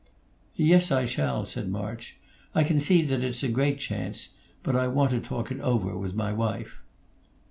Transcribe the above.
"Yes; I shall," said March. "I can see that it's a great chance; but I want to talk it over with my wife."